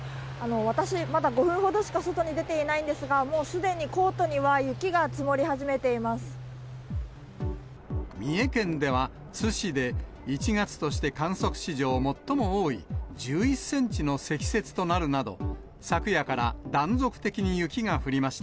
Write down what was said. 私、まだ５分ほどしか外に出ていないんですが、もうすでにコートには三重県では、津市で１月として観測史上最も多い１１センチの積雪となるなど、昨夜から断続的に雪が降りました。